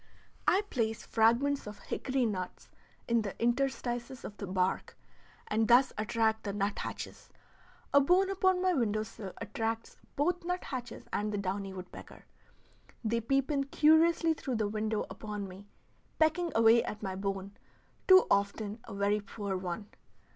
I place fragments of hickory nuts in the interstices of the bark, and thus attract the nut hatches; a bone upon my window sill attracts both nut hatches and the downy woodpecker. They peep in curiously through the window upon me, pecking away at my bone, too often a very poor one.